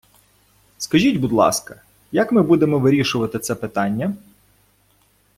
Скажіть, будь ласка, як ми будемо вирішувати це питання?